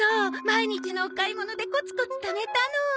毎日のお買い物でコツコツためたの。